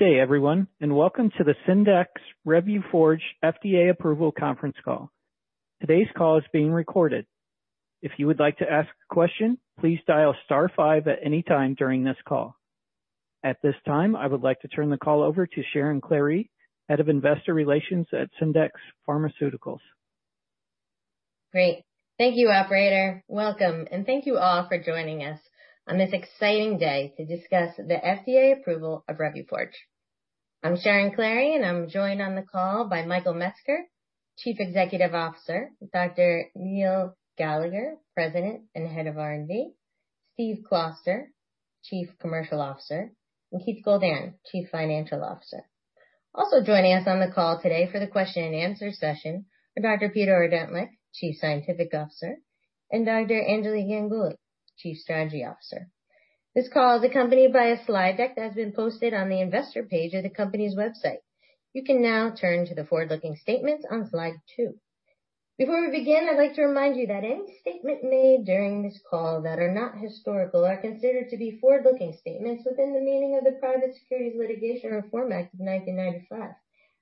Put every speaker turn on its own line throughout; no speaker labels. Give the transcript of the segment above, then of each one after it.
Good day, everyone, and welcome to the Syndax Revuforj FDA approval conference call. Today's call is being recorded. If you would like to ask a question, please dial star five at any time during this call. At this time, I would like to turn the call over to Sharon Klahre, Head of Investor Relations at Syndax Pharmaceuticals.
Great. Thank you, Operator. Welcome, and thank you all for joining us on this exciting day to discuss the FDA approval of Revuforj. I'm Sharon Klahre, and I'm joined on the call by Michael Metzger, Chief Executive Officer, Dr. Neil Gallagher, President and Head of R&D, Steve Kloster, Chief Commercial Officer, and Keith Goldan, Chief Financial Officer. Also joining us on the call today for the question-and-answer session are Dr. Peter Ordentlich, Chief Scientific Officer, and Dr. Anjali Ganguly, Chief Strategy Officer. This call is accompanied by a slide deck that has been posted on the investor page of the company's website. You can now turn to the forward-looking statements on slide two. Before we begin, I'd like to remind you that any statement made during this call that are not historical are considered to be forward-looking statements within the meaning of the Private Securities Litigation Reform Act of 1995.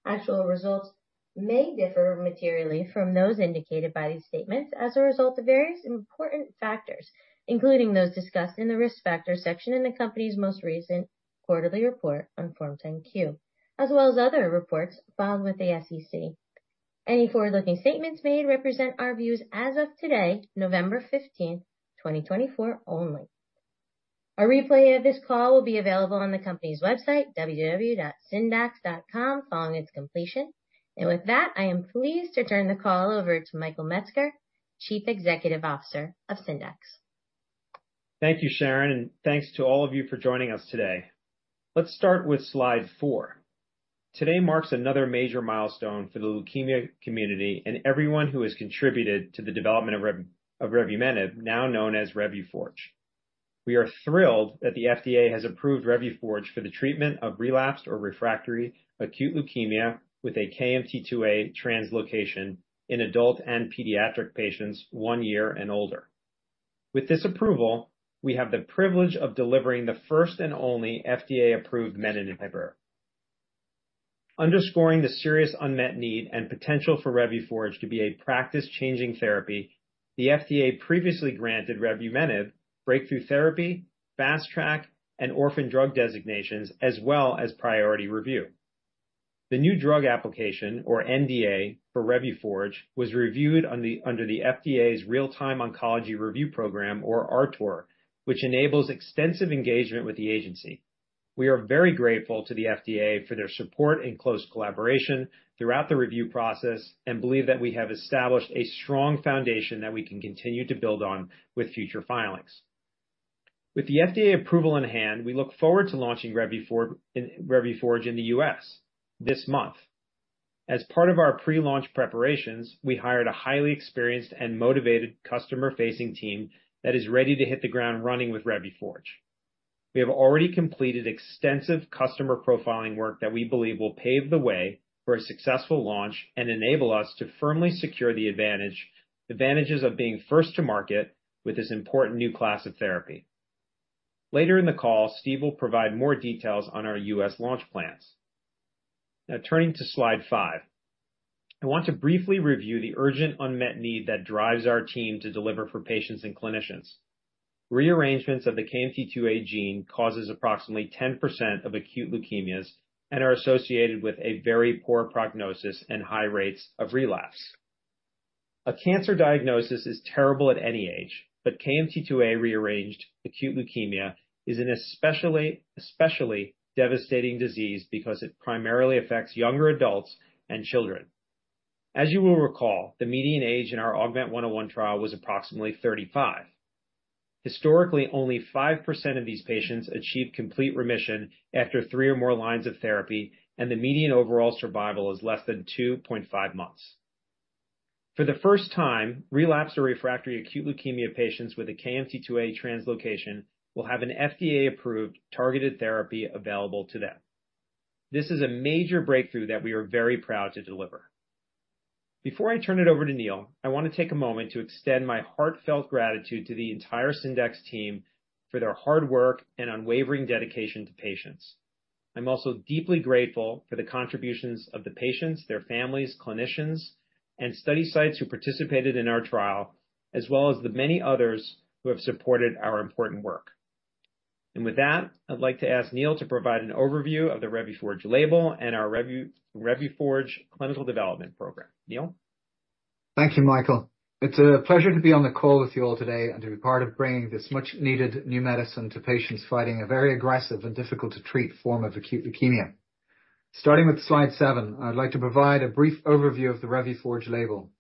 Actual results may differ materially from those indicated by these statements as a result of various important factors, including those discussed in the risk factor section in the company's most recent quarterly report on Form 10-Q, as well as other reports filed with the SEC. Any forward-looking statements made represent our views as of today, November 15th, 2024, only. A replay of this call will be available on the company's website, www.syndax.com, following its completion, and with that, I am pleased to turn the call over to Michael Metzger, Chief Executive Officer of Syndax.
Thank you, Sharon, and thanks to all of you for joining us today. Let's start with slide four. Today marks another major milestone for the leukemia community and everyone who has contributed to the development of revumenib, now known as Revuforj. We are thrilled that the FDA has approved Revuforj for the treatment of relapsed or refractory acute leukemia with a KMT2A translocation in adult and pediatric patients one year and older. With this approval, we have the privilege of delivering the first and only FDA-approved menin inhibitor. Underscoring the serious unmet need and potential for Revuforj to be a practice-changing therapy, the FDA previously granted revumenib breakthrough therapy, fast track, and orphan drug designations, as well as priority review. The new drug application, or NDA, for Revuforj was reviewed under the FDA's Real-Time Oncology Review Program, or RTOR, which enables extensive engagement with the agency. We are very grateful to the FDA for their support and close collaboration throughout the review process and believe that we have established a strong foundation that we can continue to build on with future filings. With the FDA approval in hand, we look forward to launching Revuforj in the U.S. this month. As part of our pre-launch preparations, we hired a highly experienced and motivated customer-facing team that is ready to hit the ground running with Revuforj. We have already completed extensive customer profiling work that we believe will pave the way for a successful launch and enable us to firmly secure the advantages of being first to market with this important new class of therapy. Later in the call, Steve will provide more details on our U.S. launch plans. Now, turning to slide five, I want to briefly review the urgent unmet need that drives our team to deliver for patients and clinicians. Rearrangements of the KMT2A gene cause approximately 10% of acute leukemias and are associated with a very poor prognosis and high rates of relapse. A cancer diagnosis is terrible at any age, but KMT2A rearranged acute leukemia is an especially devastating disease because it primarily affects younger adults and children. As you will recall, the median age in our AUGMENT-101 trial was approximately 35. Historically, only 5% of these patients achieve complete remission after three or more lines of therapy, and the median overall survival is less than 2.5 months. For the first time, relapsed or refractory acute leukemia patients with a KMT2A translocation will have an FDA-approved targeted therapy available to them. This is a major breakthrough that we are very proud to deliver. Before I turn it over to Neil, I want to take a moment to extend my heartfelt gratitude to the entire Syndax team for their hard work and unwavering dedication to patients. I'm also deeply grateful for the contributions of the patients, their families, clinicians, and study sites who participated in our trial, as well as the many others who have supported our important work. With that, I'd like to ask Neil to provide an overview of the Revuforj label and our Revuforj Clinical Development Program. Neil? Thank you, Michael. It's a pleasure to be on the call with you all today and to be part of bringing this much-needed new medicine to patients fighting a very aggressive and difficult-to-treat form of acute leukemia. Starting with slide seven, I'd like to provide a brief overview of the Revuforj label.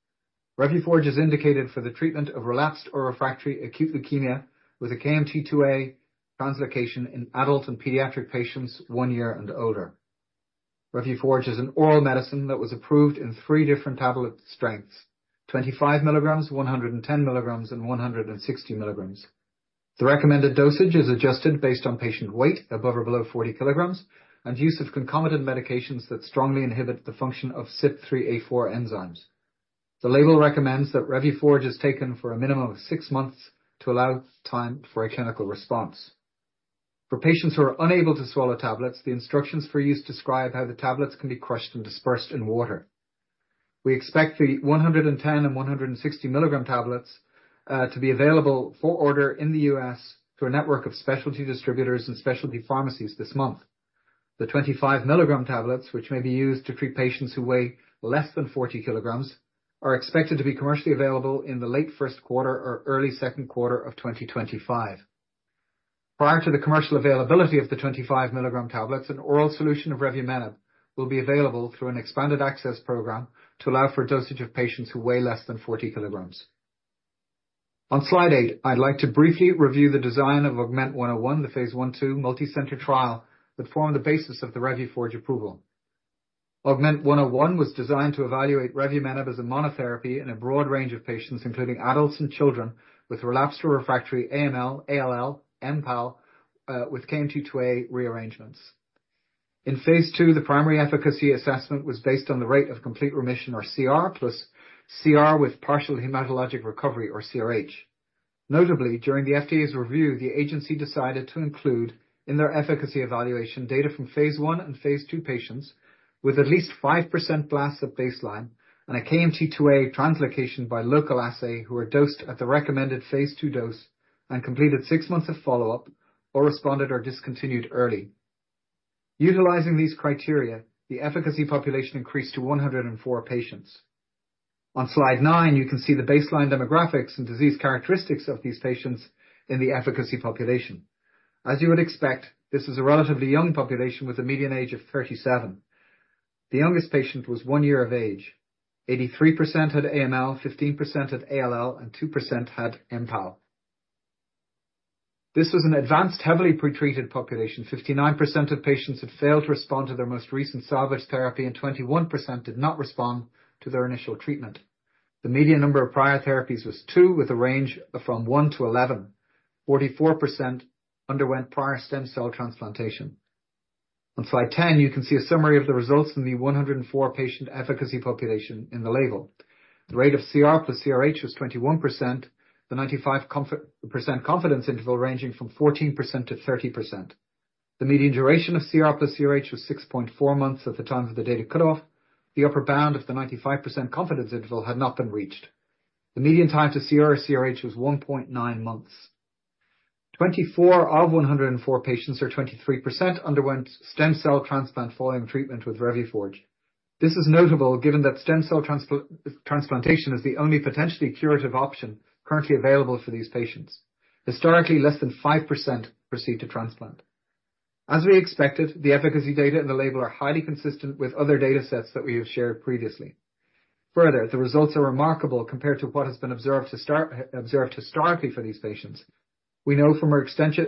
Revuforj is indicated for the treatment of relapsed or refractory acute leukemia with a KMT2A translocation in adult and pediatric patients one year and older. Revuforj is an oral medicine that was approved in three different tablet strengths: 25 milligrams, 110 milligrams, and 160 milligrams. The recommended dosage is adjusted based on patient weight above or below 40 kilograms and use of concomitant medications that strongly inhibit the function of CYP3A4 enzymes. The label recommends that Revuforj is taken for a minimum of six months to allow time for a clinical response. For patients who are unable to swallow tablets, the instructions for use describe how the tablets can be crushed and dispersed in water. We expect the 110 and 160 milligram tablets to be available for order in the U.S. through a network of specialty distributors and specialty pharmacies this month. The 25 milligram tablets, which may be used to treat patients who weigh less than 40 kilograms, are expected to be commercially available in the late first quarter or early second quarter of 2025. Prior to the commercial availability of the 25 milligram tablets, an oral solution of Revuforj will be available through an expanded access program to allow for dosage of patients who weigh less than 40 kilograms. On slide eight, I'd like to briefly review the design of AUGMENT-101, the phase I/2 multicenter trial that formed the basis of the Revuforj approval. AUGMENT-101 was designed to evaluate revumenib as a monotherapy in a broad range of patients, including adults and children with relapsed or refractory AML, ALL, and MPAL with KMT2A rearrangements. In phase two, the primary efficacy assessment was based on the rate of complete remission, or CR, plus CR with partial hematologic recovery, or CRh. Notably, during the FDA's review, the agency decided to include in their efficacy evaluation data from phase one and phase two patients with at least 5% blasts at baseline and a KMT2A translocation by local assay who were dosed at the recommended phase two dose and completed six months of follow-up or responded or discontinued early. Utilizing these criteria, the efficacy population increased to 104 patients. On slide nine, you can see the baseline demographics and disease characteristics of these patients in the efficacy population. As you would expect, this is a relatively young population with a median age of 37. The youngest patient was one year of age. 83% had AML, 15% had ALL, and 2% had MPAL. This was an advanced, heavily pretreated population. 59% of patients had failed to respond to their most recent salvage therapy, and 21% did not respond to their initial treatment. The median number of prior therapies was two, with a range from one to 11. 44% underwent prior stem cell transplantation. On slide 10, you can see a summary of the results in the 104-patient efficacy population in the label. The rate of CR plus CRh was 21%, the 95% confidence interval ranging from 14%-30%. The median duration of CR plus CRh was 6.4 months at the time of the data cutoff. The upper bound of the 95% confidence interval had not been reached. The median time to CR plus CRh was 1.9 months. 24 patients of 104 patients, or 23%, underwent stem cell transplant following treatment with Revuforj. This is notable given that stem cell transplantation is the only potentially curative option currently available for these patients. Historically, less than 5% proceed to transplant. As we expected, the efficacy data in the label are highly consistent with other data sets that we have shared previously. Further, the results are remarkable compared to what has been observed historically for these patients. We know from our extensive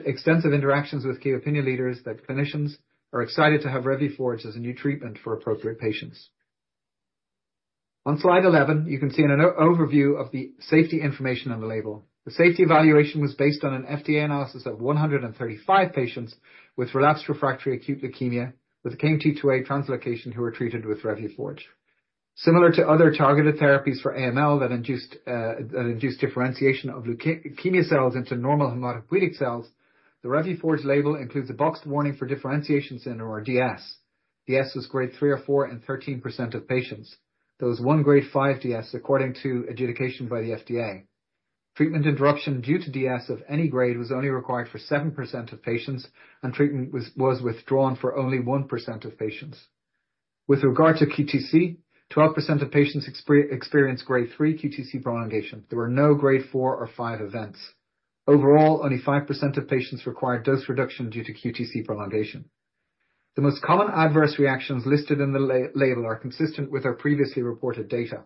interactions with key opinion leaders that clinicians are excited to have Revuforj as a new treatment for appropriate patients. On slide 11, you can see an overview of the safety information on the label. The safety evaluation was based on an FDA analysis of 135 patients with relapsed refractory acute leukemia with a KMT2A translocation who were treated with Revuforj. Similar to other targeted therapies for AML that induce differentiation of leukemia cells into normal hematopoietic cells, the Revuforj label includes a black box warning for differentiation syndrome, or DS. DS was grade three or four in 13% of patients. There was one grade five DS, according to adjudication by the FDA. Treatment interruption due to DS of any grade was only required for 7% of patients, and treatment was withdrawn for only 1% of patients. With regard to QTc, 12% of patients experienced grade three QTc prolongation. There were no grade four or five events. Overall, only 5% of patients required dose reduction due to QTc prolongation. The most common adverse reactions listed in the label are consistent with our previously reported data.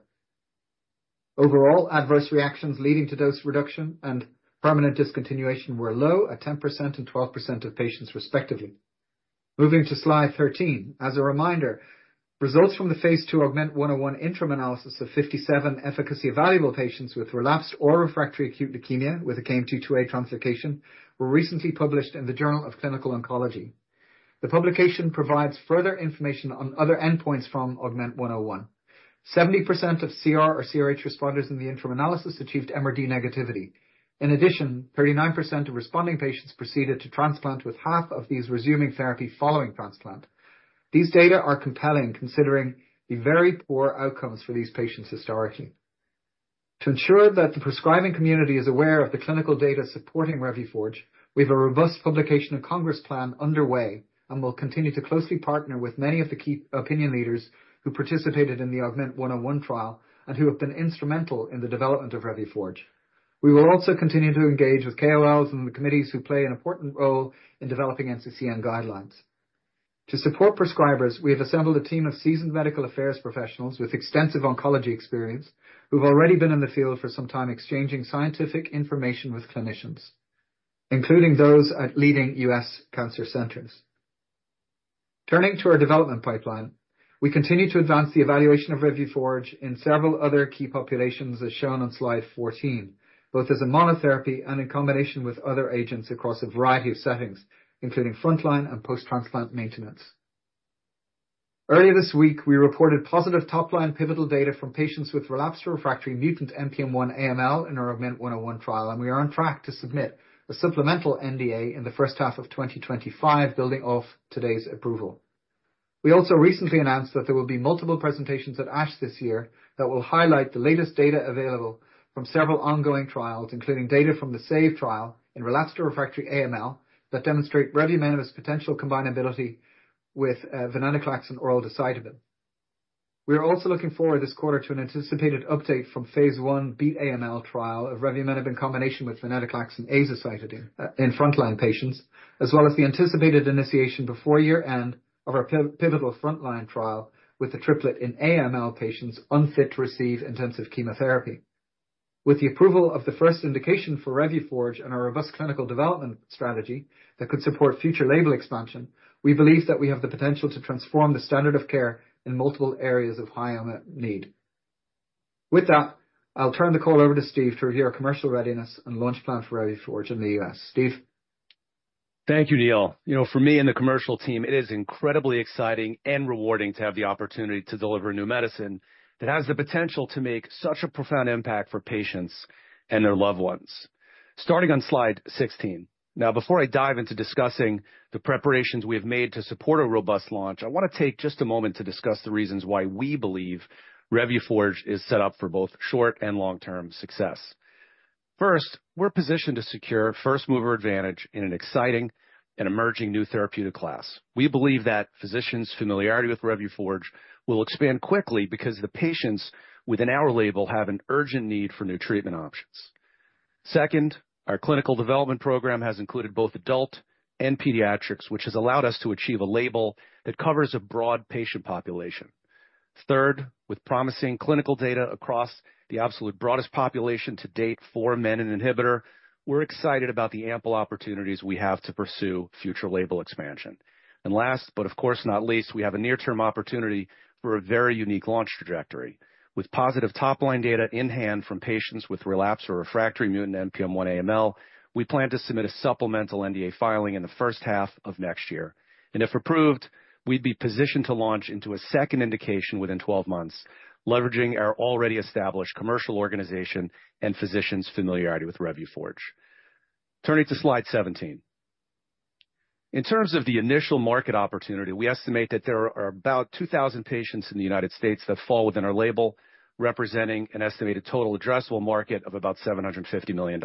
Overall, adverse reactions leading to dose reduction and permanent discontinuation were low at 10% and 12% of patients, respectively. Moving to slide 13, as a reminder, results from the phase II AUGMENT-101 interim analysis of 57 efficacy evaluable patients with relapsed or refractory acute leukemia with a KMT2A translocation were recently published in the Journal of Clinical Oncology. The publication provides further information on other endpoints from AUGMENT-101. 70% of CR or CRh responders in the interim analysis achieved MRD negativity. In addition, 39% of responding patients proceeded to transplant with half of these resuming therapy following transplant. These data are compelling, considering the very poor outcomes for these patients historically. To ensure that the prescribing community is aware of the clinical data supporting Revuforj, we have a robust publication and Congress plan underway and will continue to closely partner with many of the key opinion leaders who participated in the AUGMENT-101 trial and who have been instrumental in the development of Revuforj. We will also continue to engage with KOLs and the committees who play an important role in developing NCCN guidelines. To support prescribers, we have assembled a team of seasoned medical affairs professionals with extensive oncology experience who have already been in the field for some time exchanging scientific information with clinicians, including those at leading U.S. cancer centers. Turning to our development pipeline, we continue to advance the evaluation of Revuforj in several other key populations, as shown on slide 14, both as a monotherapy and in combination with other agents across a variety of settings, including frontline and post-transplant maintenance. Earlier this week, we reported positive topline pivotal data from patients with relapsed or refractory mutant NPM1 AML in our AUGMENT-101 trial, and we are on track to submit a supplemental NDA in the first half of 2025, building off today's approval. We also recently announced that there will be multiple presentations at ASH this year that will highlight the latest data available from several ongoing trials, including data from the SAVE trial in relapsed or refractory AML that demonstrate revumenib's potential combinability with venetoclax and oral decitabine. We are also looking forward this quarter to an anticipated update from phase I Beat AML trial of revumenib in combination with venetoclax and azacitidine in frontline patients, as well as the anticipated initiation before year-end of our pivotal frontline trial with the triplet in AML patients unfit to receive intensive chemotherapy. With the approval of the first indication for Revuforj and our robust clinical development strategy that could support future label expansion, we believe that we have the potential to transform the standard of care in multiple areas of high need. With that, I'll turn the call over to Steve to review our commercial readiness and launch plan for Revuforj in the U.S. Steve.
Thank you, Neil. You know, for me and the commercial team, it is incredibly exciting and rewarding to have the opportunity to deliver new medicine that has the potential to make such a profound impact for patients and their loved ones. Starting on slide 16. Now, before I dive into discussing the preparations we have made to support a robust launch, I want to take just a moment to discuss the reasons why we believe Revuforj is set up for both short and long-term success. First, we're positioned to secure first mover advantage in an exciting and emerging new therapeutic class. We believe that physicians' familiarity with Revuforj will expand quickly because the patients within our label have an urgent need for new treatment options. Second, our clinical development program has included both adult and pediatrics, which has allowed us to achieve a label that covers a broad patient population. Third, with promising clinical data across the absolute broadest population to date for menin inhibitor, we're excited about the ample opportunities we have to pursue future label expansion, and last, but of course not least, we have a near-term opportunity for a very unique launch trajectory. With positive topline data in hand from patients with relapsed or refractory mutant NPM1 AML, we plan to submit a supplemental NDA filing in the first half of next year, and if approved, we'd be positioned to launch into a second indication within 12 months, leveraging our already established commercial organization and physicians' familiarity with Revuforj. Turning to slide 17. In terms of the initial market opportunity, we estimate that there are about 2,000 patients in the United States that fall within our label, representing an estimated total addressable market of about $750 million.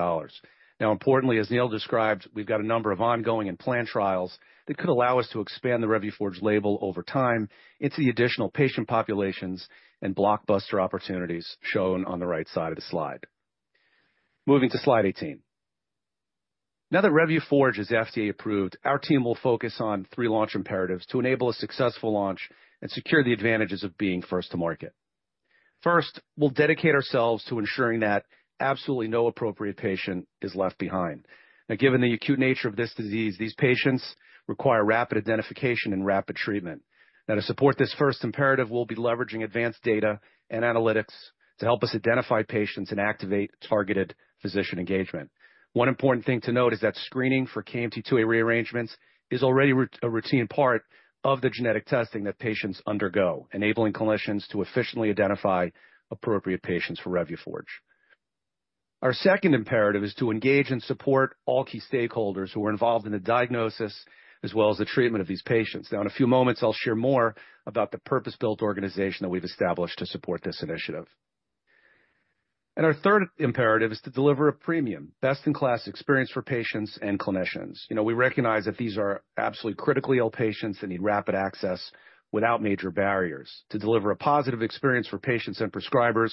Now, importantly, as Neil described, we've got a number of ongoing and planned trials that could allow us to expand the Revuforj label over time into the additional patient populations and blockbuster opportunities shown on the right side of the slide. Moving to slide 18. Now that Revuforj is FDA approved, our team will focus on three launch imperatives to enable a successful launch and secure the advantages of being first to market. First, we'll dedicate ourselves to ensuring that absolutely no appropriate patient is left behind. Now, given the acute nature of this disease, these patients require rapid identification and rapid treatment. Now, to support this first imperative, we'll be leveraging advanced data and analytics to help us identify patients and activate targeted physician engagement. One important thing to note is that screening for KMT2A rearrangements is already a routine part of the genetic testing that patients undergo, enabling clinicians to efficiently identify appropriate patients for Revuforj. Our second imperative is to engage and support all key stakeholders who are involved in the diagnosis as well as the treatment of these patients. Now, in a few moments, I'll share more about the purpose-built organization that we've established to support this initiative, and our third imperative is to deliver a premium, best-in-class experience for patients and clinicians. You know, we recognize that these are absolutely critically ill patients that need rapid access without major barriers. To deliver a positive experience for patients and prescribers,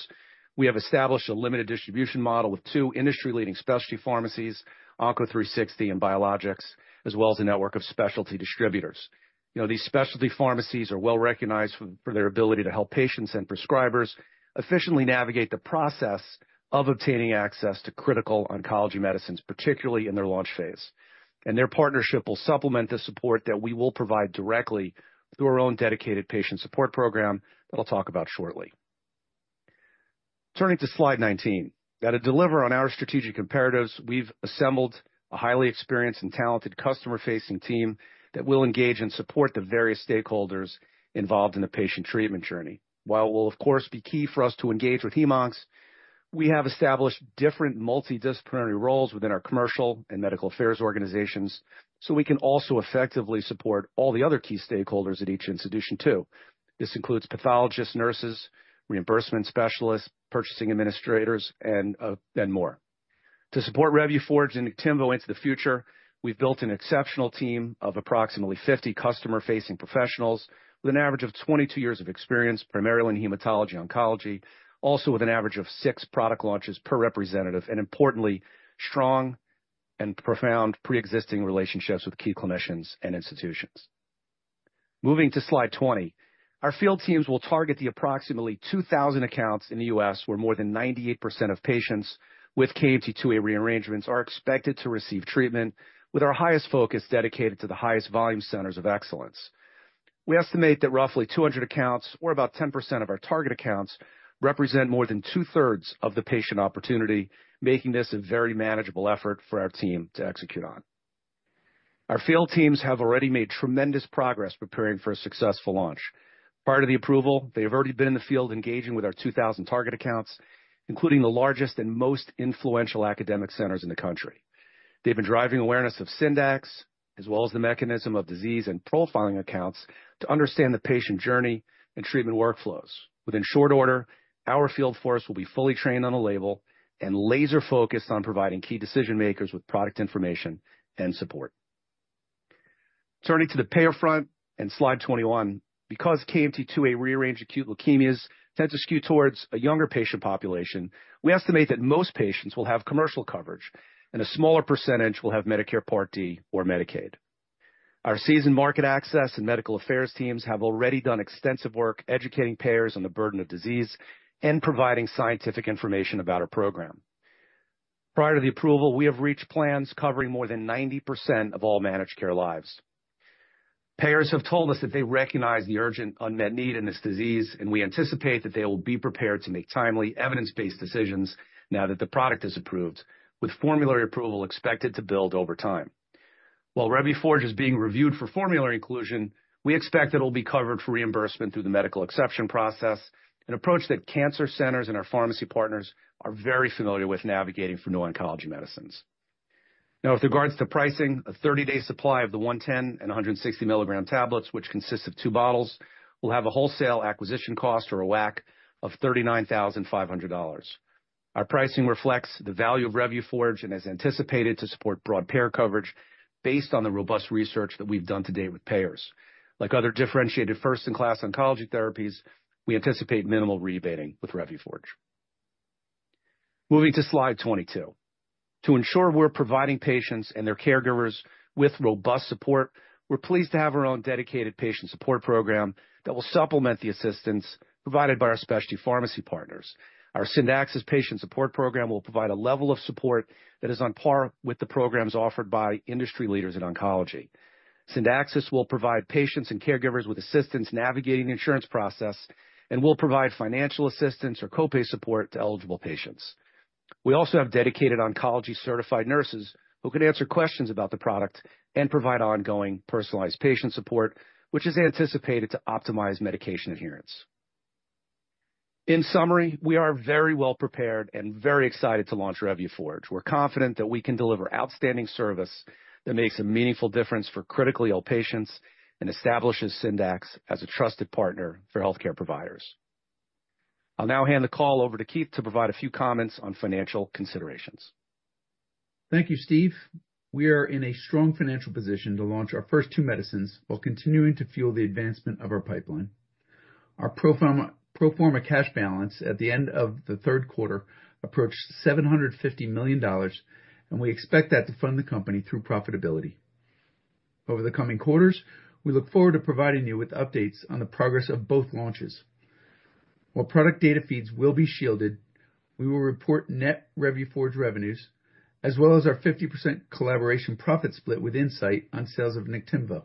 we have established a limited distribution model with two industry-leading specialty pharmacies, Onco360 and Biologics, as well as a network of specialty distributors. You know, these specialty pharmacies are well recognized for their ability to help patients and prescribers efficiently navigate the process of obtaining access to critical oncology medicines, particularly in their launch phase. And their partnership will supplement the support that we will provide directly through our own dedicated patient support program that I'll talk about shortly. Turning to slide 19. Now, to deliver on our strategic imperatives, we've assembled a highly experienced and talented customer-facing team that will engage and support the various stakeholders involved in the patient treatment journey. While it will, of course, be key for us to engage with hem-oncs, we have established different multidisciplinary roles within our commercial and medical affairs organizations so we can also effectively support all the other key stakeholders at each institution too. This includes pathologists, nurses, reimbursement specialists, purchasing administrators, and more. To support Revuforj and Niktimvo into the future, we've built an exceptional team of approximately 50 customer-facing professionals with an average of 22 years of experience, primarily in hematology-oncology, also with an average of six product launches per representative, and importantly, strong and profound pre-existing relationships with key clinicians and institutions. Moving to slide 20, our field teams will target the approximately 2,000 accounts in the U.S. where more than 98% of patients with KMT2A rearrangements are expected to receive treatment, with our highest focus dedicated to the highest volume centers of excellence. We estimate that roughly 200 accounts, or about 10% of our target accounts, represent more than two-thirds of the patient opportunity, making this a very manageable effort for our team to execute on. Our field teams have already made tremendous progress preparing for a successful launch. Prior to the approval, they have already been in the field engaging with our 2,000 target accounts, including the largest and most influential academic centers in the country. They've been driving awareness of Syndax, as well as the mechanism of disease and profiling accounts to understand the patient journey and treatment workflows. Within short order, our field force will be fully trained on the label and laser-focused on providing key decision-makers with product information and support. Turning to the payer front and slide 21, because KMT2A rearranged acute leukemias tend to skew towards a younger patient population, we estimate that most patients will have commercial coverage, and a smaller percentage will have Medicare Part D or Medicaid. Our seasoned market access and medical affairs teams have already done extensive work educating payers on the burden of disease and providing scientific information about our program. Prior to the approval, we have reached plans covering more than 90% of all managed care lives. Payers have told us that they recognize the urgent unmet need in this disease, and we anticipate that they will be prepared to make timely evidence-based decisions now that the product is approved, with formulary approval expected to build over time. While Revuforj is being reviewed for formulary inclusion, we expect that it will be covered for reimbursement through the medical exception process, an approach that cancer centers and our pharmacy partners are very familiar with navigating for new oncology medicines. Now, with regards to pricing, a 30-day supply of the 110 and 160 milligram tablets, which consists of two bottles, will have a wholesale acquisition cost, or a WAC, of $39,500. Our pricing reflects the value of Revuforj and is anticipated to support broad payer coverage based on the robust research that we've done to date with payers. Like other differentiated first-in-class oncology therapies, we anticipate minimal rebating with Revuforj. Moving to slide 22. To ensure we're providing patients and their caregivers with robust support, we're pleased to have our own dedicated patient support program that will supplement the assistance provided by our specialty pharmacy partners. Our Syndax's patient support program will provide a level of support that is on par with the programs offered by industry leaders in oncology. Syndax's will provide patients and caregivers with assistance navigating the insurance process and will provide financial assistance or copay support to eligible patients. We also have dedicated oncology-certified nurses who can answer questions about the product and provide ongoing personalized patient support, which is anticipated to optimize medication adherence. In summary, we are very well prepared and very excited to launch Revuforj. We're confident that we can deliver outstanding service that makes a meaningful difference for critically ill patients and establishes Syndax as a trusted partner for healthcare providers. I'll now hand the call over to Keith to provide a few comments on financial considerations.
Thank you, Steve. We are in a strong financial position to launch our first two medicines while continuing to fuel the advancement of our pipeline. Our pro forma cash balance at the end of the third quarter approached $750 million, and we expect that to fund the company through profitability. Over the coming quarters, we look forward to providing you with updates on the progress of both launches. While product data feeds will be shielded, we will report net Revuforj revenues, as well as our 50% collaboration profit split with Incyte on sales of Niktimvo.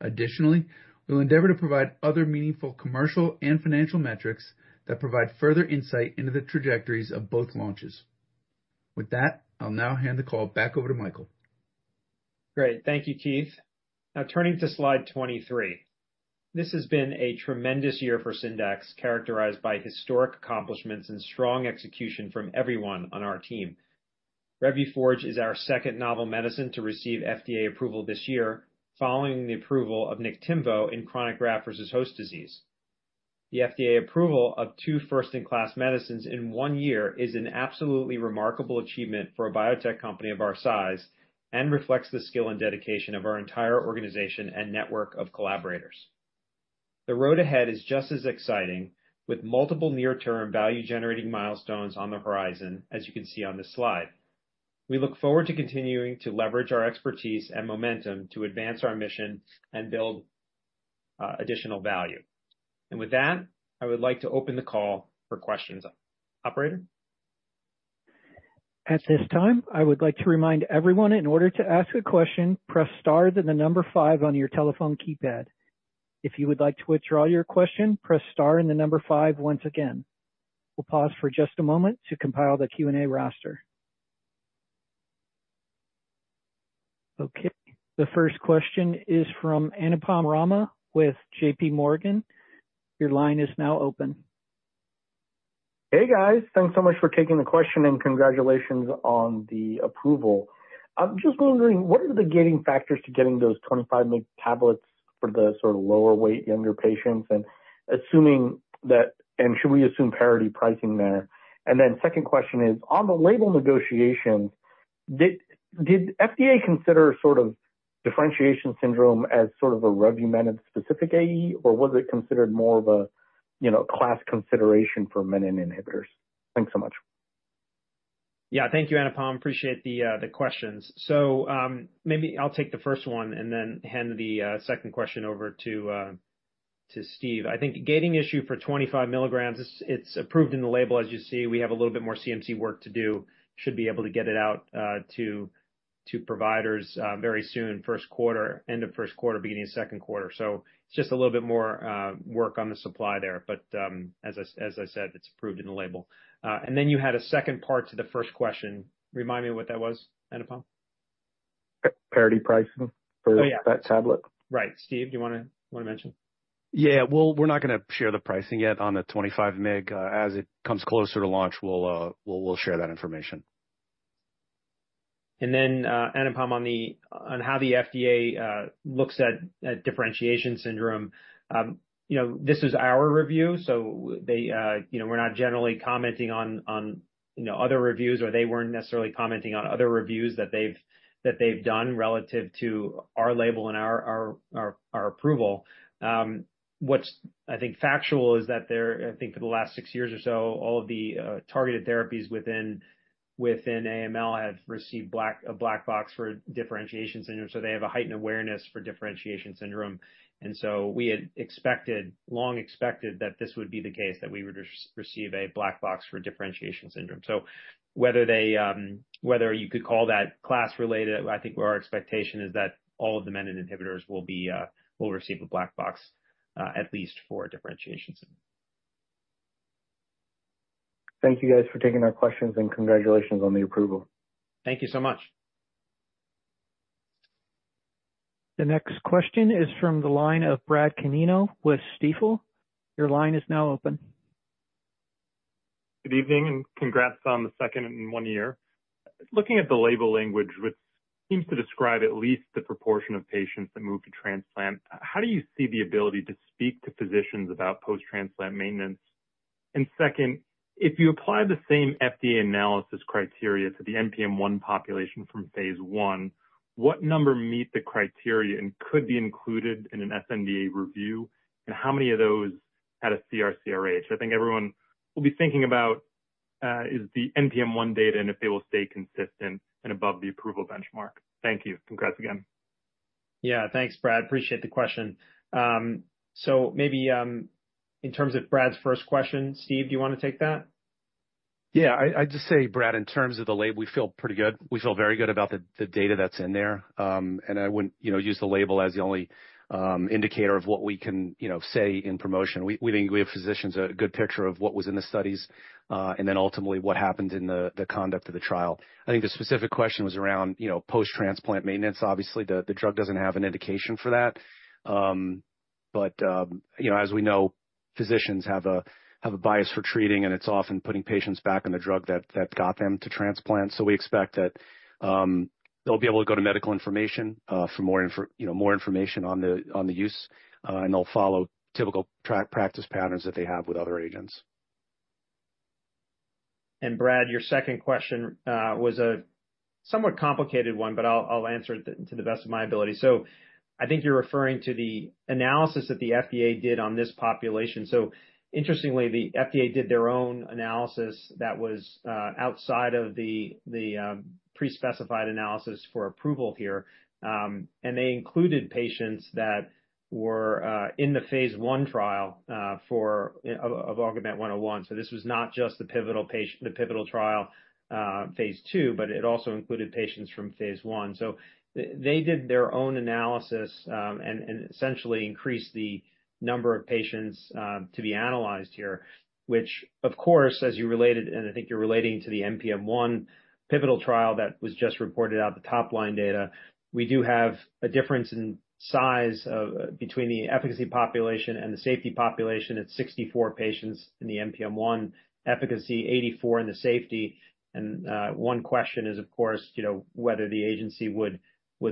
Additionally, we'll endeavor to provide other meaningful commercial and financial metrics that provide further insight into the trajectories of both launches. With that, I'll now hand the call back over to Michael.
Great. Thank you, Keith. Now, turning to slide 23. This has been a tremendous year for Syndax, characterized by historic accomplishments and strong execution from everyone on our team. Revuforj is our second novel medicine to receive FDA approval this year, following the approval of Niktimvo in chronic graft-versus-host disease. The FDA approval of two first-in-class medicines in one year is an absolutely remarkable achievement for a biotech company of our size and reflects the skill and dedication of our entire organization and network of collaborators. The road ahead is just as exciting, with multiple near-term value-generating milestones on the horizon, as you can see on this slide. We look forward to continuing to leverage our expertise and momentum to advance our mission and build additional value. And with that, I would like to open the call for questions. Operator.
At this time, I would like to remind everyone in order to ask a question, press star then the number five on your telephone keypad. If you would like to withdraw your question, press star and the number five once again. We'll pause for just a moment to compile the Q&A roster. Okay. The first question is from Anupam Rama with J.P. Morgan. Your line is now open.
Hey, guys. Thanks so much for taking the question and congratulations on the approval. I'm just wondering, what are the gating factors to getting those 25 tablets for the sort of lower-weight, younger patients? And assuming that, and should we assume parity pricing there? And then second question is, on the label negotiations, did FDA consider sort of differentiation syndrome as sort of a revumenib specific AE, or was it considered more of a class consideration for menin inhibitors? Thanks so much.
Yeah, thank you, Anupam. Appreciate the questions. So maybe I'll take the first one and then hand the second question over to Steve. I think gating issue for 25 milligrams, it's approved in the label, as you see. We have a little bit more CMC work to do. Should be able to get it out to providers very soon, first quarter, end of first quarter, beginning of second quarter. So it's just a little bit more work on the supply there. But as I said, it's approved in the label. And then you had a second part to the first question. Remind me what that was, Anupam.
Parity pricing for that tablet?
Right. Steve, do you want to mention?
Yeah. Well, we're not going to share the pricing yet on the 25 mg. As it comes closer to launch, we'll share that information.
And then, Anupam, on how the FDA looks at differentiation syndrome, this is our review. So we're not generally commenting on other reviews, or they weren't necessarily commenting on other reviews that they've done relative to our label and our approval. What's, I think, factual is that there, I think, for the last six years or so, all of the targeted therapies within AML have received a black box for differentiation syndrome. So they have a heightened awareness for differentiation syndrome. And so we had expected, long expected, that this would be the case, that we would receive a black box for differentiation syndrome. So whether you could call that class-related, I think our expectation is that all of the menin inhibitors will receive a black box, at least for differentiation syndrome.
Thank you, guys, for taking our questions, and congratulations on the approval.
Thank you so much.
The next question is from the line of Brad Canino with Stifel. Your line is now open.
Good evening and congrats on the second in one year. Looking at the label language, which seems to describe at least the proportion of patients that move to transplant, how do you see the ability to speak to physicians about post-transplant maintenance? And second, if you apply the same FDA analysis criteria to the NPM1 population from phase I, what number meet the criteria and could be included in an FDA review? And how many of those had a CR/CRh? I think everyone will be thinking about is the NPM1 data and if they will stay consistent and above the approval benchmark. Thank you. Congrats again.
Yeah. Thanks, Brad. Appreciate the question. So maybe in terms of Brad's first question, Steve, do you want to take that?
Yeah. I'd just say, Brad, in terms of the label, we feel pretty good. We feel very good about the data that's in there, and I wouldn't use the label as the only indicator of what we can say in promotion. We think we have physicians a good picture of what was in the studies and then ultimately what happened in the conduct of the trial. I think the specific question was around post-transplant maintenance. Obviously, the drug doesn't have an indication for that, but as we know, physicians have a bias for treating, and it's often putting patients back on the drug that got them to transplant, so we expect that they'll be able to go to medical information for more information on the use, and they'll follow typical practice patterns that they have with other agents.
Brad, your second question was a somewhat complicated one, but I'll answer it to the best of my ability. So I think you're referring to the analysis that the FDA did on this population. So interestingly, the FDA did their own analysis that was outside of the pre-specified analysis for approval here. They included patients that were in the phase I trial of AUGMENT-101. So this was not just the pivotal phase II trial, but it also included patients from phase I. So they did their own analysis and essentially increased the number of patients to be analyzed here, which, of course, as you related, and I think you're relating to the NPM1 pivotal trial that was just reported out the top line data, we do have a difference in size between the efficacy population and the safety population. It's 64 patients in the NPM1 efficacy, 84 in the safety. One question is, of course, whether the agency would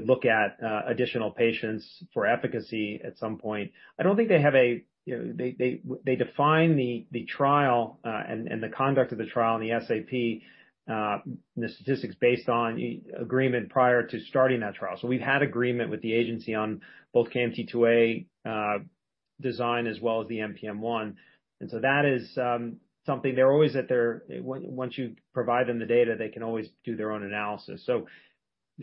look at additional patients for efficacy at some point. I don't think they have. They define the trial and the conduct of the trial and the SAP and the statistics based on agreement prior to starting that trial. We've had agreement with the agency on both KMT2A design as well as the NPM1. That is something they're always at liberty once you provide them the data. They can always do their own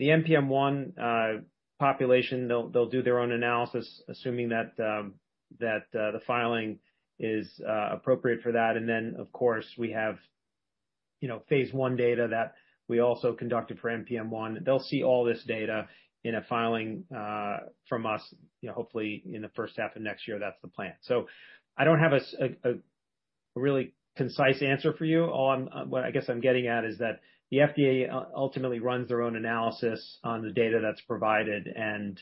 analysis. The NPM1 population, they'll do their own analysis, assuming that the filing is appropriate for that. Then, of course, we have phase one data that we also conducted for NPM1. They'll see all this data in a filing from us, hopefully, in the first half of next year. That's the plan. So I don't have a really concise answer for you. All I guess I'm getting at is that the FDA ultimately runs their own analysis on the data that's provided, and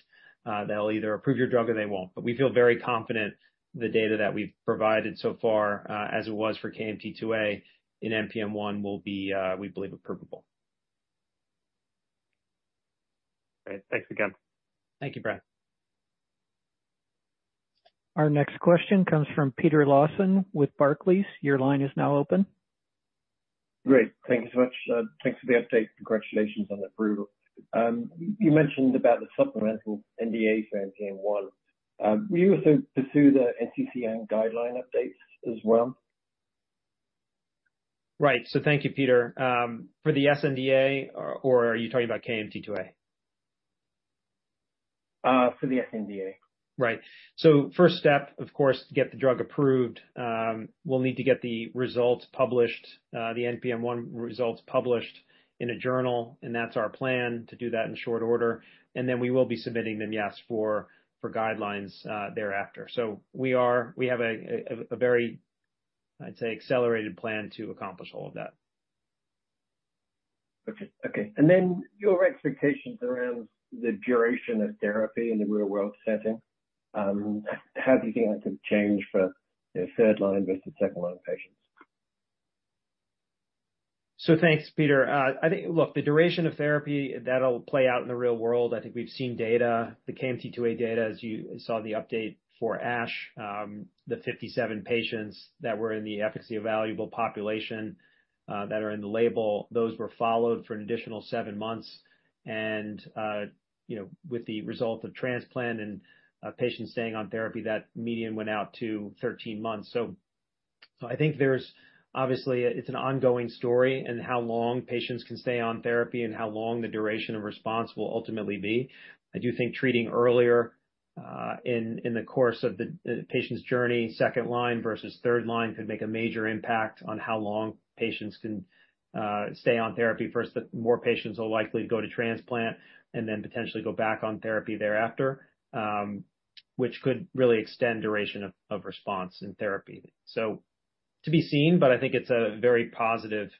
they'll either approve your drug or they won't. But we feel very confident the data that we've provided so far, as it was for KMT2A in NPM1, will be, we believe, approvable.
All right. Thanks again.
Thank you, Brad.
Our next question comes from Peter Lawson with Barclays. Your line is now open. Great. Thank you so much. Thanks for the update. Congratulations on the approval. You mentioned about the supplemental NDA for NPM1. Will you also pursue the NCCN guideline updates as well?
Right. So thank you, Peter. For the sNDA, or are you talking about KMT2A? For the sNDA. Right. So first step, of course, to get the drug approved, we'll need to get the results published, the NPM1 results published in a journal, and that's our plan to do that in short order, and then we will be submitting them, yes, for guidelines thereafter, so we have a very, I'd say, accelerated plan to accomplish all of that. Okay. And then your expectations around the duration of therapy in the real-world setting, how do you think that could change for third-line versus second-line patients? So thanks, Peter. I think, look, the duration of therapy, that'll play out in the real world. I think we've seen data, the KMT2A data, as you saw the update for ASH, the 57 patients that were in the efficacy-evaluable population that are in the label, those were followed for an additional seven months. And with the result of transplant and patients staying on therapy, that median went out to 13 months. So I think there's obviously, it's an ongoing story and how long patients can stay on therapy and how long the duration of response will ultimately be. I do think treating earlier in the course of the patient's journey, second line versus third line, could make a major impact on how long patients can stay on therapy first, that more patients are likely to go to transplant and then potentially go back on therapy thereafter, which could really extend duration of response in therapy. So to be seen, but I think it's a very positive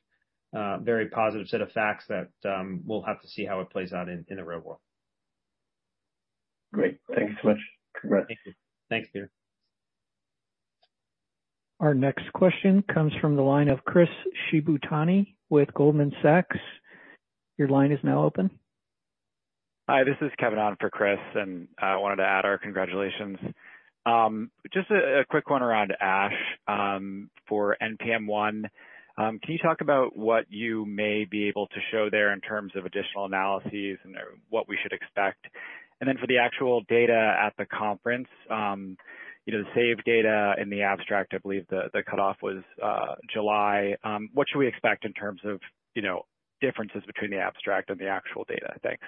set of facts that we'll have to see how it plays out in the real world. Great. Thanks so much. Congrats. Thank you. Thanks, Peter.
Our next question comes from the line of Chris Shibutani with Goldman Sachs. Your line is now open.
Hi, this is Kevin Otten for Chris, and I wanted to add our congratulations. Just a quick one around ASH for NPM1. Can you talk about what you may be able to show there in terms of additional analyses and what we should expect? And then for the actual data at the conference, the SAVE data in the abstract, I believe the cutoff was July. What should we expect in terms of differences between the abstract and the actual data? Thanks.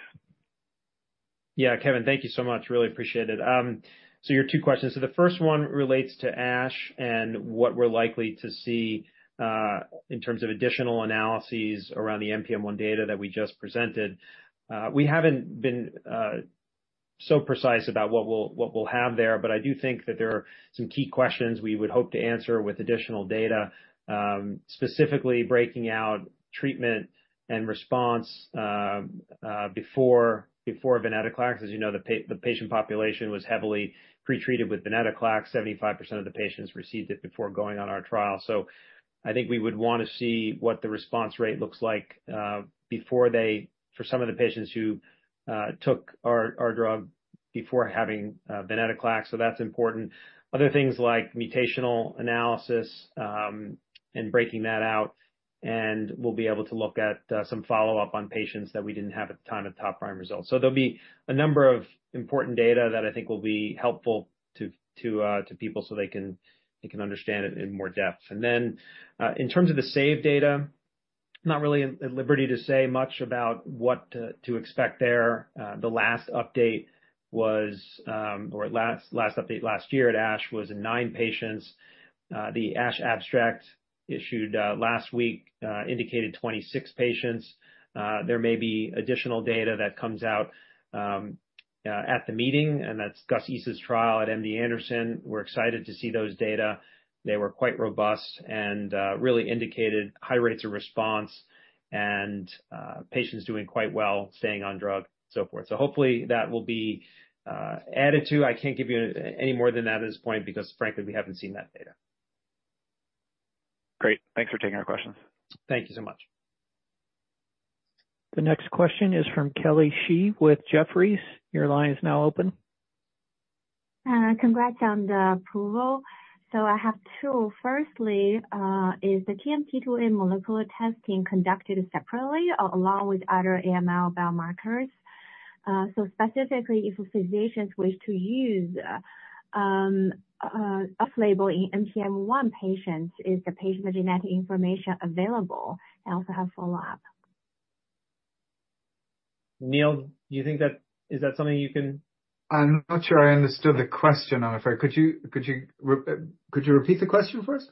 Yeah, Kevin, thank you so much. Really appreciate it. Your two questions. The first one relates to ASH and what we're likely to see in terms of additional analyses around the NPM1 data that we just presented. We haven't been so precise about what we'll have there, but I do think that there are some key questions we would hope to answer with additional data, specifically breaking out treatment and response before venetoclax. As you know, the patient population was heavily pretreated with venetoclax. 75% of the patients received it before going on our trial. I think we would want to see what the response rate looks like for some of the patients who took our drug before having venetoclax. That's important. Other things like mutational analysis and breaking that out, and we'll be able to look at some follow-up on patients that we didn't have at the time of top-line results. So there'll be a number of important data that I think will be helpful to people so they can understand it in more depth. And then in terms of the SAVE data, not really at liberty to say much about what to expect there. The last update was, or last update last year at ASH was in nine patients. The ASH abstract issued last week indicated 26 patients. There may be additional data that comes out at the meeting, and that's Ghayas Issa's trial at MD Anderson. We're excited to see those data. They were quite robust and really indicated high rates of response and patients doing quite well, staying on drug, so forth. So hopefully that will be added to. I can't give you any more than that at this point because, frankly, we haven't seen that data.
Great. Thanks for taking our questions.
Thank you so much.
The next question is from Kelly Shi with Jefferies. Your line is now open.
Congrats on the approval. So I have two. Firstly, is the KMT2A molecular testing conducted separately along with other AML biomarkers? So specifically, if physicians wish to use off-label in NPM1 patients, is the patient's genetic information available? I also have follow-up.
Neil, do you think that is something you can?
I'm not sure I understood the question, I'm afraid. Could you repeat the question first?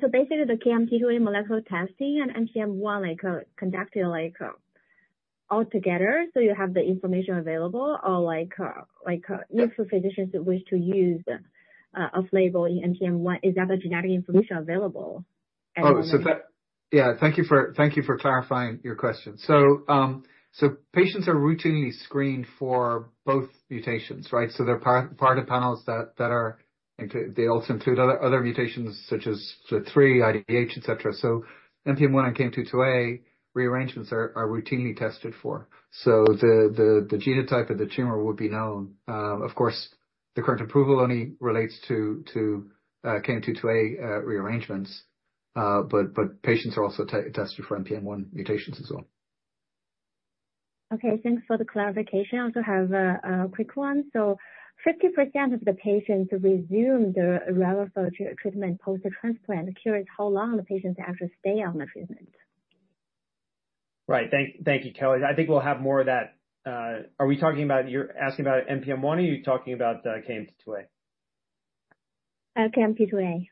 So basically, the KMT2A molecular testing and NPM1 conducted altogether, so you have the information available, or if physicians wish to use off-label in NPM1, is that the genetic information available?
Oh, so yeah. Thank you for clarifying your question. So patients are routinely screened for both mutations, right? So they are part of panels that also include other mutations such as FLT3, IDH, etc. So NPM1 and KMT2A rearrangements are routinely tested for. So the genotype of the tumor will be known. Of course, the current approval only relates to KMT2A rearrangements, but patients are also tested for NPM1 mutations as well.
Okay. Thanks for the clarification. I also have a quick one, so 50% of the patients resume the Revuforj treatment post-transplant. Curious how long the patients actually stay on the treatment?
Right. Thank you, Kelly. I think we'll have more of that. Are we talking about you're asking about NPM1, or are you talking about KMT2A?
KMT2A.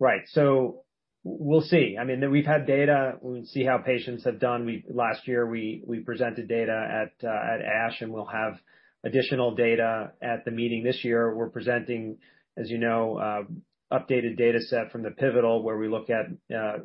Right. So we'll see. I mean, we've had data. We'll see how patients have done. Last year, we presented data at ASH, and we'll have additional data at the meeting this year. We're presenting, as you know, an updated data set from the pivotal, where we look at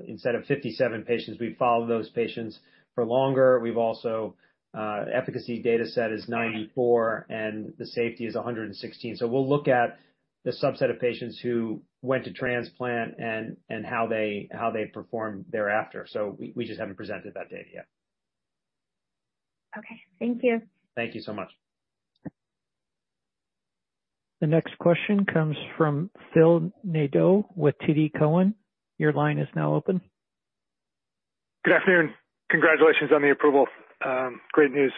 instead of 57 patients, we follow those patients for longer. We've also efficacy data set is 94, and the safety is 116. So we'll look at the subset of patients who went to transplant and how they performed thereafter. So we just haven't presented that data yet.
Okay. Thank you.
Thank you so much.
The next question comes from Phil Nadeau with TD Cowen. Your line is now open.
Good afternoon. Congratulations on the approval. Great news.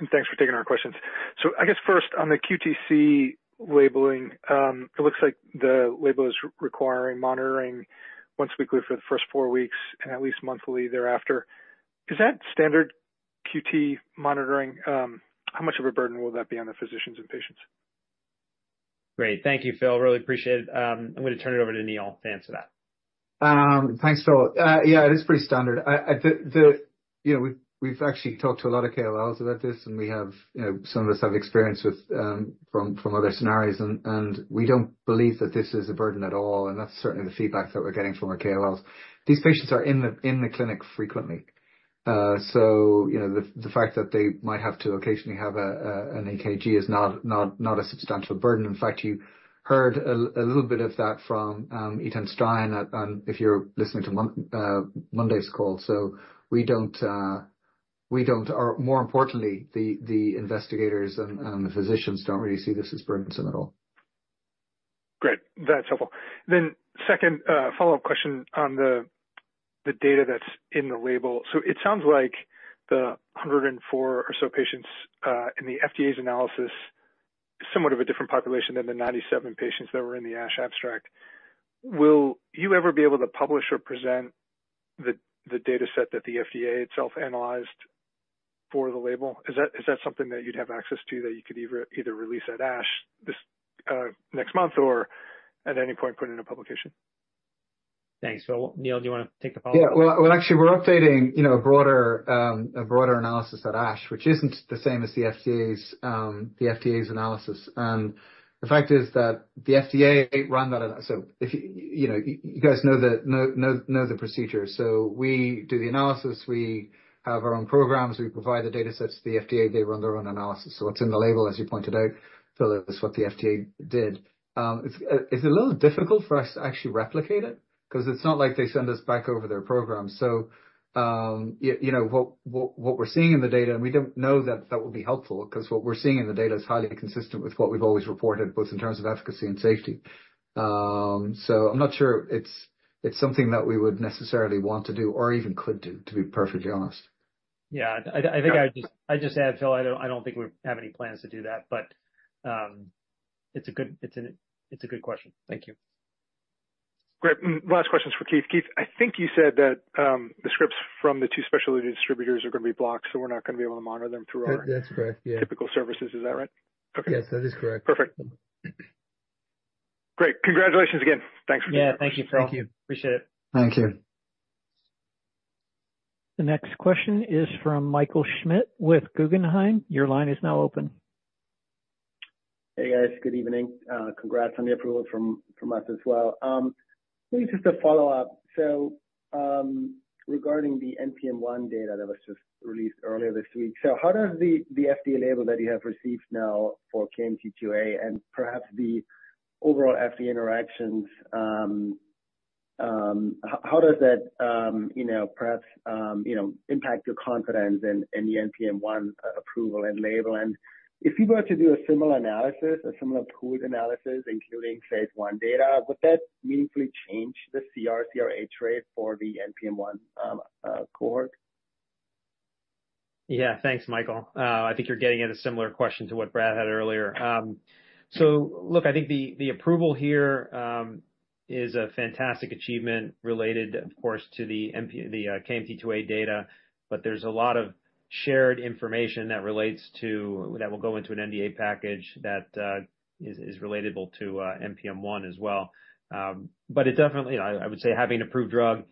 And thanks for taking our questions. So I guess first, on the QTc labeling, it looks like the label is requiring monitoring once weekly for the first four weeks and at least monthly thereafter. Is that standard QTc monitoring? How much of a burden will that be on the physicians and patients?
Great. Thank you, Phil. Really appreciate it. I'm going to turn it over to Neil to answer that.
Thanks, Phil. Yeah, it is pretty standard. We've actually talked to a lot of KOLs about this, and some of us have experience from other scenarios, and we don't believe that this is a burden at all. That's certainly the feedback that we're getting from our KOLs. These patients are in the clinic frequently. So the fact that they might have to occasionally have an EKG is not a substantial burden. In fact, you heard a little bit of that from Eytan Stein if you're listening to Monday's call. So we don't, or more importantly, the investigators and the physicians don't really see this as burdensome at all.
Great. That's helpful. Then second follow-up question on the data that's in the label. So it sounds like the 104 or so patients in the FDA's analysis is somewhat of a different population than the 97 patients that were in the ASH abstract. Will you ever be able to publish or present the data set that the FDA itself analyzed for the label? Is that something that you'd have access to that you could either release at ASH next month or at any point put in a publication?
Thanks, Phil. Neil, do you want to take the follow-up?
Yeah. Well, actually, we're updating a broader analysis at ASH, which isn't the same as the FDA's analysis, and the fact is that the FDA ran that, so you guys know the procedure, so we do the analysis. We have our own programs. We provide the data sets to the FDA. They run their own analysis, so what's in the label, as you pointed out, Phil, is what the FDA did. It's a little difficult for us to actually replicate it because it's not like they send us back over their program, so what we're seeing in the data, and we don't know that that will be helpful because what we're seeing in the data is highly consistent with what we've always reported, both in terms of efficacy and safety. So I'm not sure it's something that we would necessarily want to do or even could do, to be perfectly honest.
Yeah. I think I'd just add, Phil, I don't think we have any plans to do that, but it's a good question. Thank you.
Great. Last question is for Keith. Keith, I think you said that the scripts from the two specialty distributors are going to be blocked, so we're not going to be able to monitor them through our typical services. Is that right?
Yes, that is correct.
Perfect. Great. Congratulations again. Thanks for doing that.
Yeah. Thank you, Phil. Appreciate it.
Thank you.
The next question is from Michael Schmidt with Guggenheim. Your line is now open.
Hey, guys. Good evening. Congrats on the approval from us as well. Maybe just a follow-up. So regarding the NPM1 data that was just released earlier this week, so how does the FDA label that you have received now for KMT2A and perhaps the overall FDA interactions, how does that perhaps impact your confidence in the NPM1 approval and label? And if you were to do a similar analysis, a similar pooled analysis, including phase one data, would that meaningfully change the CR/CRh rate for the NPM1 cohort?
Yeah. Thanks, Michael. I think you're getting at a similar question to what Brad had earlier. So look, I think the approval here is a fantastic achievement related, of course, to the KMT2A data, but there's a lot of shared information that relates to that will go into an NDA package that is relatable to NPM1 as well. But I would say having approved drug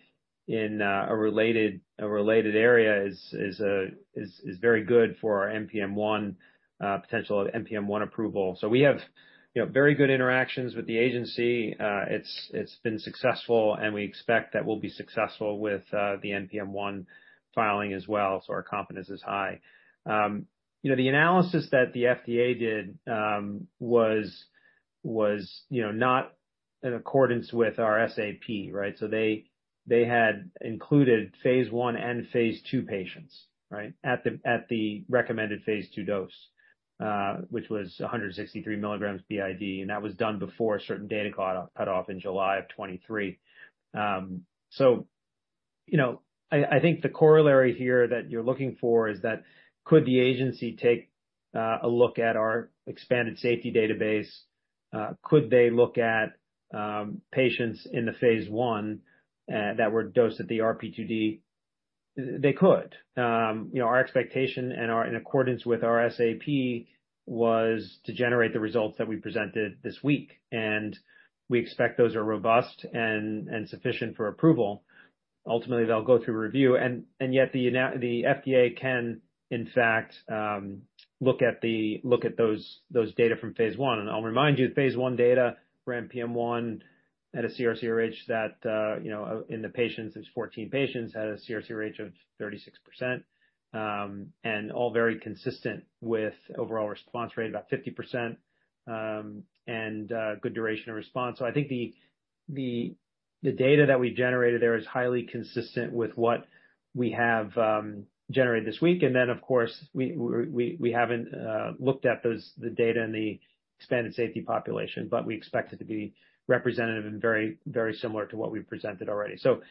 in a related area is very good for our NPM1 potential of NPM1 approval. So we have very good interactions with the agency. It's been successful, and we expect that we'll be successful with the NPM1 filing as well. So our confidence is high. The analysis that the FDA did was not in accordance with our SAP, right? They had included phase I and phase II patients, right, at the recommended phase II dose, which was 163 milligrams b.i.d., and that was done before a certain data cut-off in July of 2023. I think the corollary here that you're looking for is that could the agency take a look at our expanded safety database? Could they look at patients in the phase I that were dosed at the RP2D? They could. Our expectation and in accordance with our SAP was to generate the results that we presented this week. We expect those are robust and sufficient for approval. Ultimately, they'll go through review. Yet the FDA can, in fact, look at those data from phase I. And I'll remind you, phase one data for NPM1 had a CR/CRh that in the patients, there's 14 patients had a CR/CRh of 36%, and all very consistent with overall response rate, about 50%, and good duration of response. So I think the data that we generated there is highly consistent with what we have generated this week. And then, of course, we haven't looked at the data in the expanded safety population, but we expect it to be representative and very similar to what we've presented already. So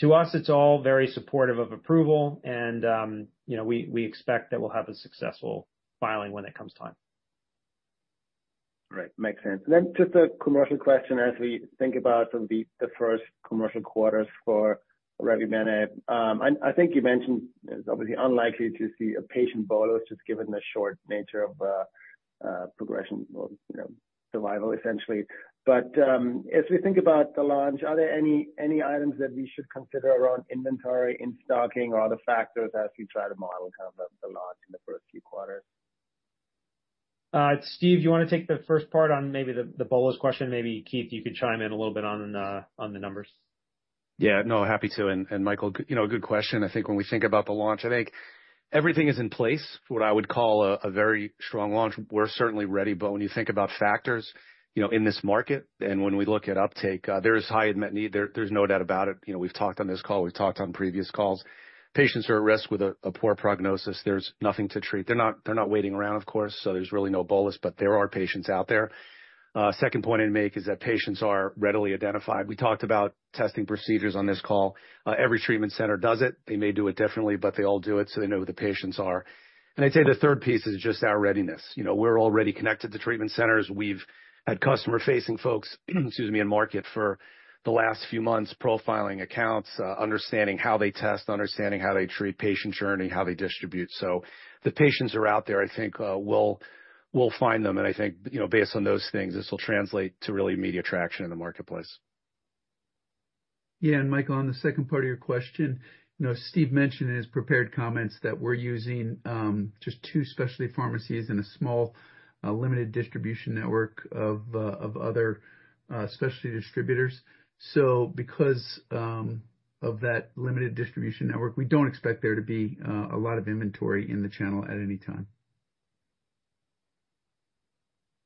to us, it's all very supportive of approval, and we expect that we'll have a successful filing when it comes time.
Right. Makes sense. And then just a commercial question as we think about some of the first commercial quarters for Revuforj. I think you mentioned it's obviously unlikely to see a patient bolus just given the short nature of progression or survival, essentially. But as we think about the launch, are there any items that we should consider around inventory in stocking or other factors as we try to model kind of the launch in the first few quarters?
Steve, do you want to take the first part on maybe the bolus question? Maybe Keith, you could chime in a little bit on the numbers.
Yeah. No, happy to. And Michael, good question. I think when we think about the launch, I think everything is in place for what I would call a very strong launch. We're certainly ready, but when you think about factors in this market and when we look at uptake, there is high unmet need. There's no doubt about it. We've talked on this call. We've talked on previous calls. Patients are at risk with a poor prognosis. There's nothing to treat. They're not waiting around, of course, so there's really no bolus, but there are patients out there. Second point I'd make is that patients are readily identified. We talked about testing procedures on this call. Every treatment center does it. They may do it differently, but they all do it so they know who the patients are. And I'd say the third piece is just our readiness. We're already connected to treatment centers. We've had customer-facing folks, excuse me, in market for the last few months, profiling accounts, understanding how they test, understanding how they treat, patient journey, how they distribute. So the patients are out there. I think we'll find them. And I think based on those things, this will translate to really immediate traction in the marketplace.
Yeah, and Michael, on the second part of your question, Steve mentioned in his prepared comments that we're using just two specialty pharmacies and a small limited distribution network of other specialty distributors. So because of that limited distribution network, we don't expect there to be a lot of inventory in the channel at any time.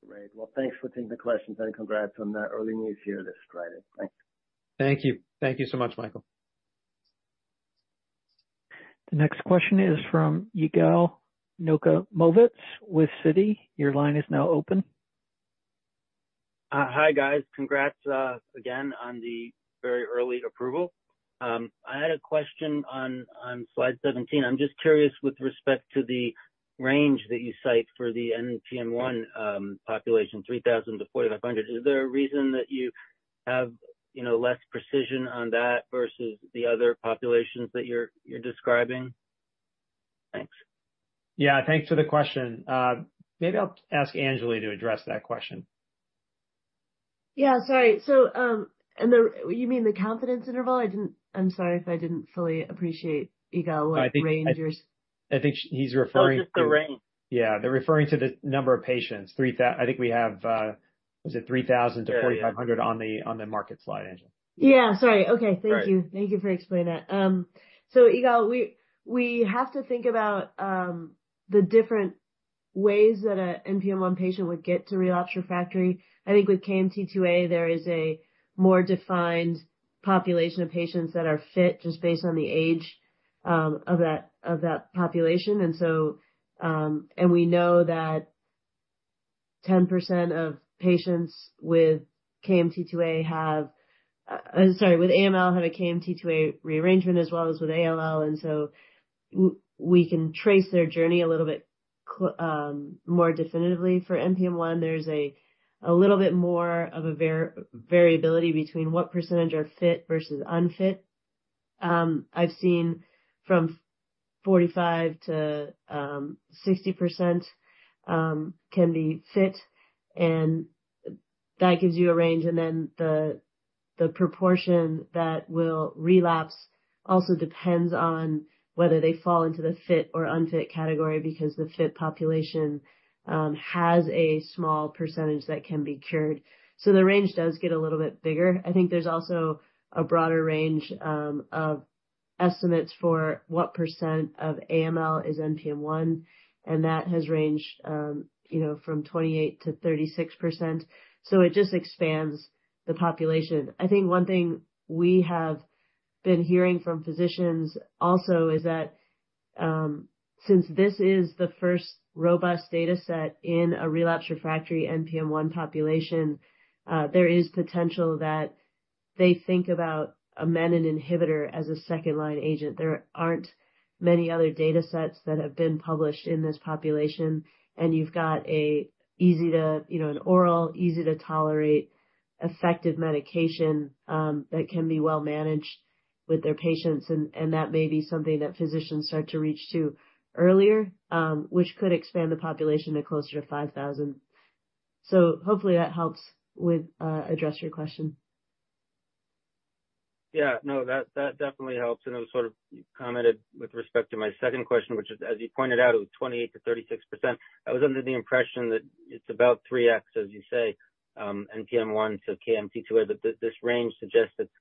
Great. Well, thanks for taking the questions, and congrats on the early news here this Friday. Thanks.
Thank you. Thank you so much, Michael.
The next question is from Ygal Nokomovitz with Citi. Your line is now open.
Hi, guys. Congrats again on the very early approval. I had a question on slide 17. I'm just curious with respect to the range that you cite for the NPM1 population, 3,000-4,500. Is there a reason that you have less precision on that versus the other populations that you're describing? Thanks.
Yeah. Thanks for the question. Maybe I'll ask Anjali to address that question.
Yeah. Sorry. So you mean the confidence interval? I'm sorry if I didn't fully appreciate Yigal with the range.
I think he's referring.
Oh, just the range.
Yeah. They're referring to the number of patients. I think we have, was it 3,000-4,500 on the market slide, Angeli?
Yeah. Sorry. Okay. Thank you. Thank you for explaining that. So Yigal, we have to think about the different ways that an NPM1 patient would get to relapse refractory. I think with KMT2A, there is a more defined population of patients that are fit just based on the age of that population. We know that 10% of patients with KMT2A have—sorry, with AML have a KMT2A rearrangement as well as with ALL. So we can trace their journey a little bit more definitively for NPM1. There's a little bit more of a variability between what percentage are fit versus unfit. I've seen from 45%-60% can be fit, and that gives you a range. Then the proportion that will relapse also depends on whether they fall into the fit or unfit category because the fit population has a small percentage that can be cured. The range does get a little bit bigger. I think there's also a broader range of estimates for what percent of AML is NPM1, and that has ranged from 28%-36%. It just expands the population. I think one thing we have been hearing from physicians also is that since this is the first robust data set in a relapsed refractory NPM1 population, there is potential that they think about a menin inhibitor as a second-line agent. There aren't many other data sets that have been published in this population, and you've got an oral, easy-to-tolerate, effective medication that can be well managed with their patients. That may be something that physicians start to reach to earlier, which could expand the population to closer to 5,000. Hopefully, that helps to address your question.
Yeah. No, that definitely helps. And it was sort of commented with respect to my second question, which is, as you pointed out, it was 28%-36%. I was under the impression that it's about 3X, as you say, NPM1 to KMT2A, but this range suggests it's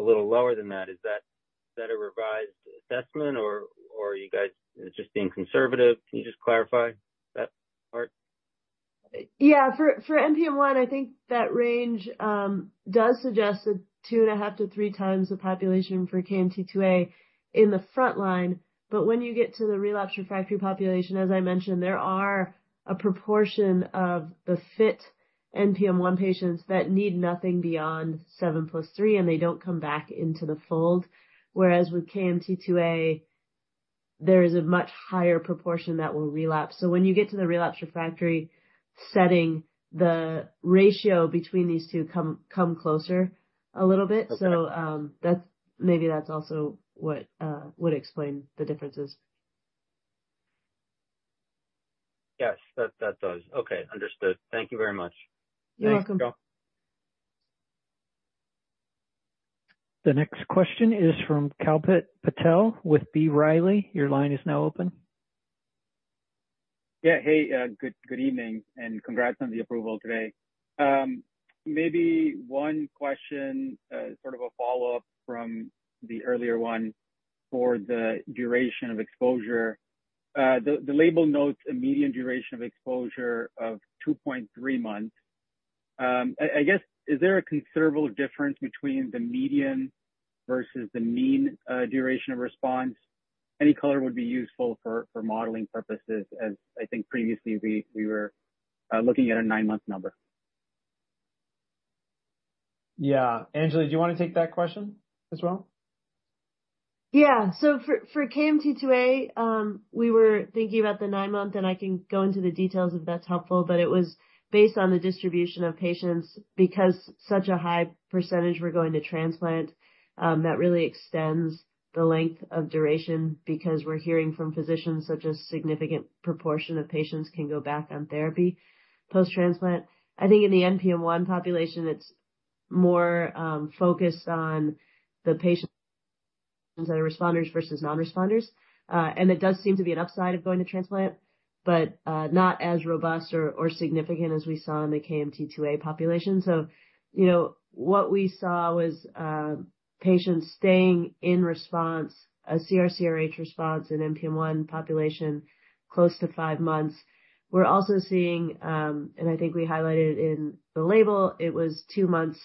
a little lower than that. Is that a revised assessment, or are you guys just being conservative? Can you just clarify that part?
Yeah. For NPM1, I think that range does suggest a two and a half to three times the population for KMT2A in the front line. But when you get to the relapse refractory population, as I mentioned, there are a proportion of the fit NPM1 patients that need nothing beyond 7+3, and they don't come back into the fold. Whereas with KMT2A, there is a much higher proportion that will relapse. So when you get to the relapse refractory setting, the ratio between these two comes closer a little bit. So maybe that's also what would explain the differences.
Yes, that does. Okay. Understood. Thank you very much.
You're welcome.
The next question is from Kalpit Patel with B. Riley. Your line is now open.
Yeah. Hey, good evening, and congrats on the approval today. Maybe one question, sort of a follow-up from the earlier one for the duration of exposure. The label notes a median duration of exposure of 2.3 months. I guess, is there a considerable difference between the median versus the mean duration of response? Any color would be useful for modeling purposes, as I think previously we were looking at a nine-month number.
Yeah. Anjali, do you want to take that question as well?
Yeah. So for KMT2A, we were thinking about the nine-month, and I can go into the details if that's helpful, but it was based on the distribution of patients because such a high percentage were going to transplant. That really extends the length of duration because we're hearing from physicians such a significant proportion of patients can go back on therapy post-transplant. I think in the NPM1 population, it's more focused on the patients that are responders versus non-responders. And it does seem to be an upside of going to transplant, but not as robust or significant as we saw in the KMT2A population. So what we saw was patients staying in response, a CR/CRh response in NPM1 population close to five months. We're also seeing, and I think we highlighted it in the label, it was two months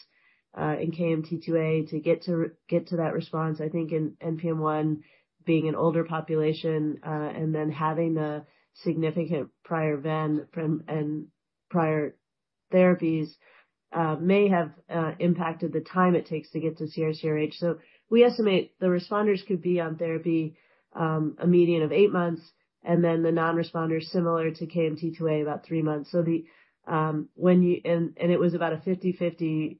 in KMT2A to get to that response. I think in NPM1, being an older population and then having the significant prior ven and prior therapies may have impacted the time it takes to get to CR/CRh. So we estimate the responders could be on therapy a median of eight months, and then the non-responders, similar to KMT2A, about three months. And it was about a 50/50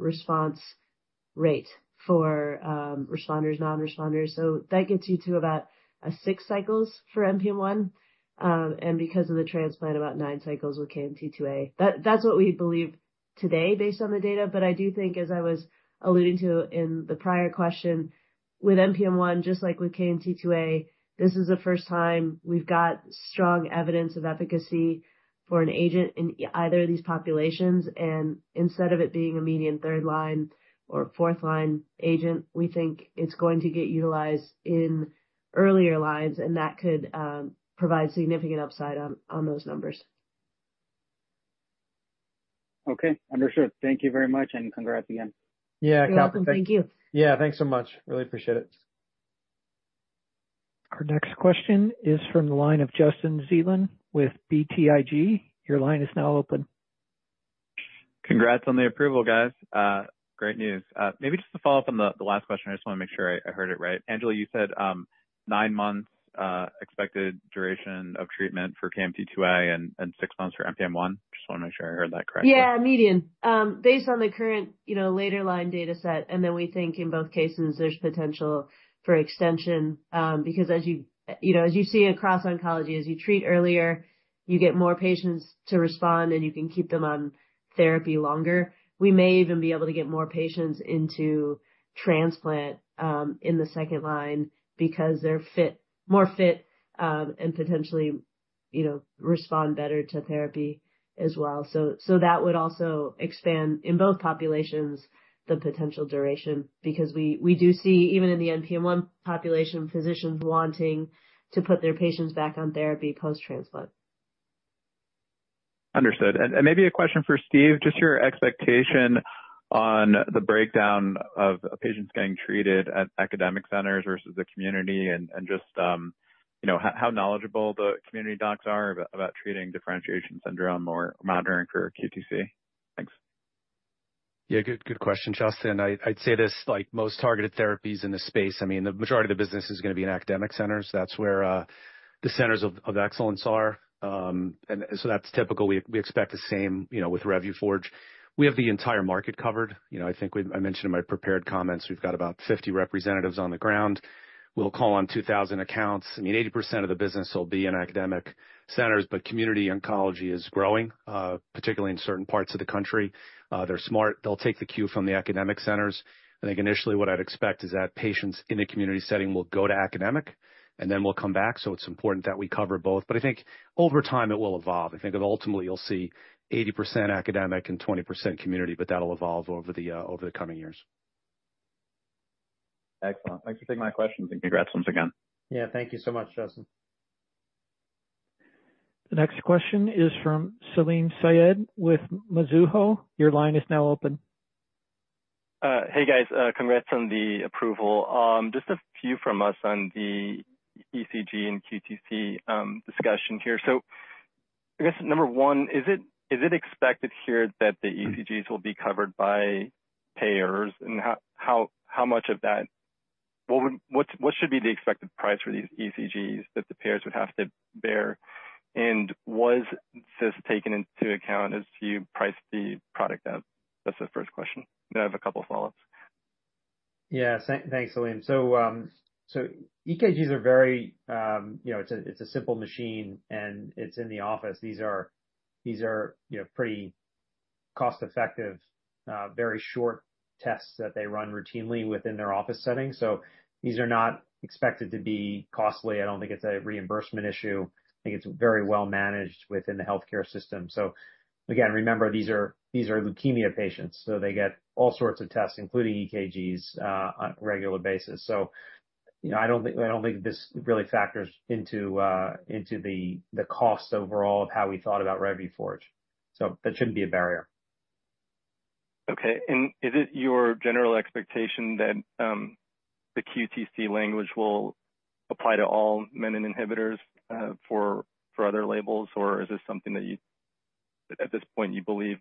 response rate for responders, non-responders. So that gets you to about six cycles for NPM1, and because of the transplant, about nine cycles with KMT2A. That's what we believe today based on the data. But I do think, as I was alluding to in the prior question, with NPM1, just like with KMT2A, this is the first time we've got strong evidence of efficacy for an agent in either of these populations. Instead of it being a median third line or fourth line agent, we think it's going to get utilized in earlier lines, and that could provide significant upside on those numbers.
Okay. Understood. Thank you very much, and congrats again.
Yeah. Thank you.
Thank you.
Yeah. Thanks so much. Really appreciate it.
Our next question is from the line of Justin Zelin with BTIG. Your line is now open.
Congrats on the approval, guys. Great news. Maybe just to follow up on the last question, I just want to make sure I heard it right. Anjali, you said nine months expected duration of treatment for KMT2A and six months for NPM1. Just want to make sure I heard that correctly.
Yeah. Median. Based on the current later line data set, and then we think in both cases, there's potential for extension because as you see across oncology, as you treat earlier, you get more patients to respond, and you can keep them on therapy longer. We may even be able to get more patients into transplant in the second line because they're more fit and potentially respond better to therapy as well. So that would also expand in both populations the potential duration because we do see, even in the NPM1 population, physicians wanting to put their patients back on therapy post-transplant.
Understood. And maybe a question for Steve, just your expectation on the breakdown of patients getting treated at academic centers versus the community and just how knowledgeable the community docs are about treating differentiation syndrome or monitoring for QTc. Thanks.
Yeah. Good question, Justin. I'd say this: most targeted therapies in this space, I mean, the majority of the business is going to be in academic centers. That's where the centers of excellence are, and so that's typical. We expect the same with Revuforj. We have the entire market covered. I think I mentioned in my prepared comments, we've got about 50 representatives on the ground. We'll call on 2,000 accounts. I mean, 80% of the business will be in academic centers, but community oncology is growing, particularly in certain parts of the country. They're smart. They'll take the cue from the academic centers. I think initially what I'd expect is that patients in a community setting will go to academic, and then we'll come back, so it's important that we cover both, but I think over time, it will evolve. I think ultimately you'll see 80% academic and 20% community, but that'll evolve over the coming years.
Excellent. Thanks for taking my questions, and congrats once again.
Yeah. Thank you so much, Justin.
The next question is from Salim Syed with Mizuho. Your line is now open.
Hey, guys. Congrats on the approval. Just a few from us on the ECG and QTc discussion here. So I guess number one, is it expected here that the ECGs will be covered by payers? And how much of that—what should be the expected price for these ECGs that the payers would have to bear? And was this taken into account as you priced the product out? That's the first question. And I have a couple of follow-ups.
Yeah. Thanks, Salim. So EKGs are very, it's a simple machine, and it's in the office. These are pretty cost-effective, very short tests that they run routinely within their office setting. So these are not expected to be costly. I don't think it's a reimbursement issue. I think it's very well managed within the healthcare system. So again, remember, these are leukemia patients. So they get all sorts of tests, including EKGs, on a regular basis. So I don't think this really factors into the cost overall of how we thought about Revuforj. So that shouldn't be a barrier.
Okay. And is it your general expectation that the QTc language will apply to all menin inhibitors for other labels, or is this something that at this point you believe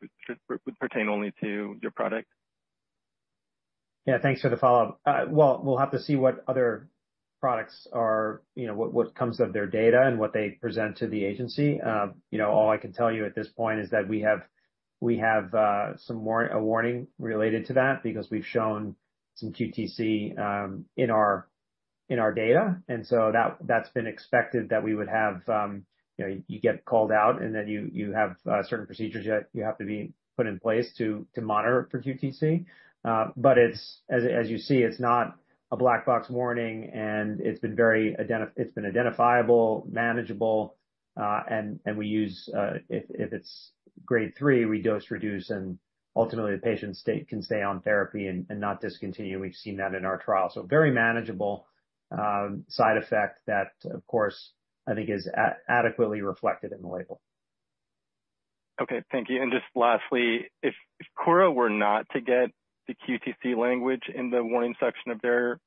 would pertain only to your product?
Yeah. Thanks for the follow-up. We'll have to see what other products are, what comes of their data and what they present to the agency. All I can tell you at this point is that we have a warning related to that because we've shown some QTc in our data. And so that's been expected that we would have, you get called out, and then you have certain procedures that you have to be put in place to monitor for QTc. But as you see, it's not a Black Box Warning, and it's been identifiable, manageable, and we use, if it's grade 3, we dose-reduce, and ultimately, the patient can stay on therapy and not discontinue. We've seen that in our trial. Very manageable side effect that, of course, I think is adequately reflected in the label.
Okay. Thank you. And just lastly, if Kura were not to get the QTc language in the warning section of their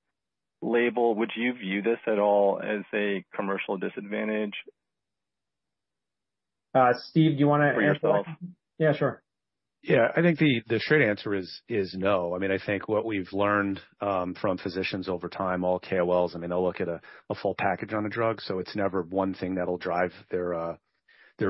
label, would you view this at all as a commercial disadvantage?
Steve, do you want to answer that?
For yourself?
Yeah. Sure.
Yeah. I think the straight answer is no. I mean, I think what we've learned from physicians over time, all KOLs, I mean, they'll look at a full package on a drug. So it's never one thing that'll drive their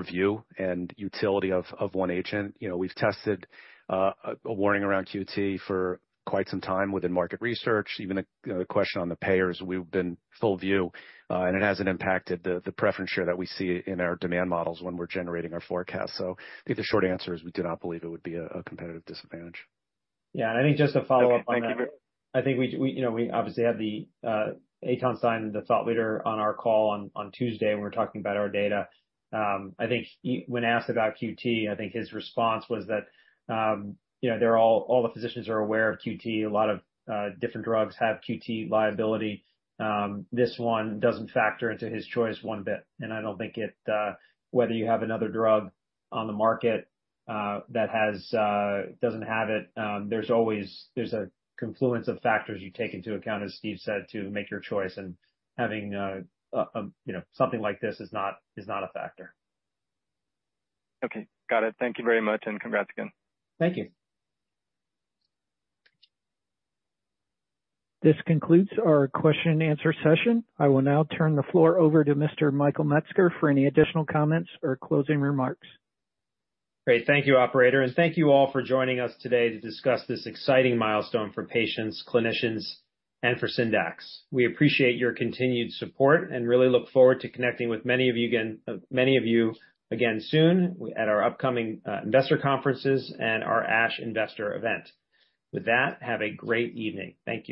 view and utility of one agent. We've tested a warning around QT for quite some time within market research. Even the question on the payers, we've been full view, and it hasn't impacted the preference share that we see in our demand models when we're generating our forecast. So I think the short answer is we do not believe it would be a competitive disadvantage.
Yeah, and I think just to follow up on that.
Thank you very much.
I think we obviously had the ASH KOL, the thought leader, on our call on Tuesday when we were talking about our data. I think when asked about QT, I think his response was that all the physicians are aware of QT. A lot of different drugs have QT liability. This one doesn't factor into his choice one bit, and I don't think whether you have another drug on the market that doesn't have it, there's a confluence of factors you take into account, as Steve said, to make your choice, and having something like this is not a factor.
Okay. Got it. Thank you very much, and congrats again.
Thank you.
This concludes our question-and-answer session. I will now turn the floor over to Mr. Michael Metzger for any additional comments or closing remarks.
Great. Thank you, Operator. And thank you all for joining us today to discuss this exciting milestone for patients, clinicians, and for Syndax. We appreciate your continued support and really look forward to connecting with many of you again soon at our upcoming investor conferences and our ASH Investor Event. With that, have a great evening. Thank you.